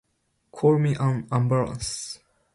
Call me an ambulance.